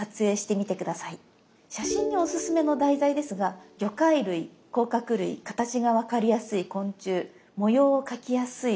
写真にオススメの題材ですが魚介類甲殻類形がわかりやすい昆虫模様を描きやすいは虫類